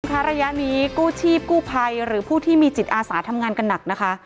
ระยะนี้กู้ชีพกู้ภัยหรือผู้ที่มีจิตอาสาทำงานกันหนักนะคะ